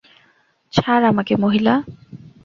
ছাড় আমাকে, মহিলা!